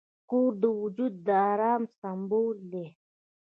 کور د وجود د آرام سمبول دی.